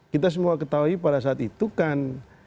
kita semua ketahui pada saat itu kan